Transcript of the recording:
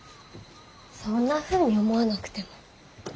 そんなふうに思わなくても。